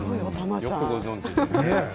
よくご存じですね。